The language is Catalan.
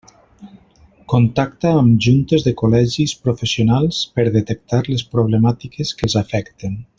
Contacta amb juntes de col·legis professionals per detectar les problemàtiques que els afecten.